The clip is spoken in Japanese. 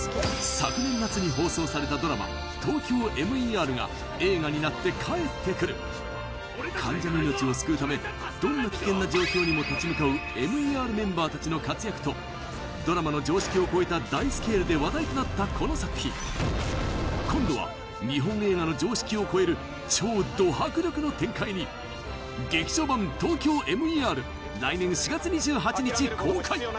昨年夏に放送されたドラマ「ＴＯＫＹＯＭＥＲ」が映画になって帰ってくる患者の命を救うためどんな危険な状況にも立ち向かうＭＥＲメンバー達の活躍とドラマの常識を超えた大スケールで話題となったこの作品今度は日本映画の常識を超える超ド迫力の展開に劇場版「ＴＯＫＹＯＭＥＲ」来年４月２８日公開